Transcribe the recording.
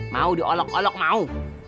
mau diolok olok mau